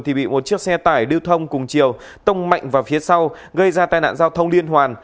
thì bị một chiếc xe tải lưu thông cùng chiều tông mạnh vào phía sau gây ra tai nạn giao thông liên hoàn